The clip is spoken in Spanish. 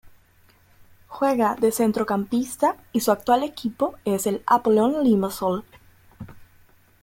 Juega de centrocampista y su actual equipo es el Apollon Limassol.